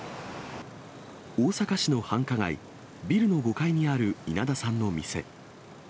大阪市の繁華街、ビルの５階にある稲田さんの店。